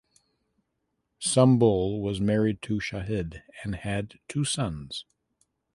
Sumbul was married to Shahid and had two sons.